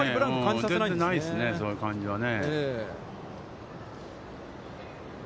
全然ないですね、そういう感じはね。